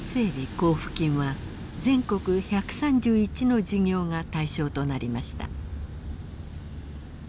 交付金は全国１３１の事業が対象となりました。